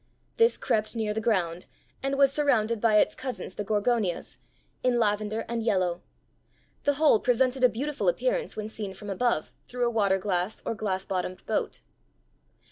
This crept near the ground, and was surrounded by its cousins, the Gorgonias, in lavender and yellow. The whole presented a beautiful appearance when seen from above through a water glass or glass bottomed boat.